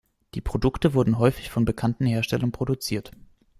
Die Produkte wurden häufig von bekannten Herstellern produziert.